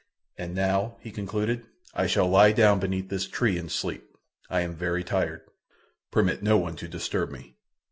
"And now," he concluded, "I shall lie down beneath this tree and sleep. I am very tired. Permit no one to disturb me."